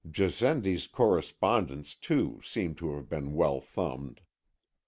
Gassendi's Correspondence too seemed to have been well thumbed.